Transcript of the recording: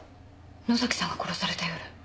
能崎さんが殺された夜？